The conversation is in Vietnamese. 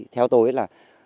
theo tôi là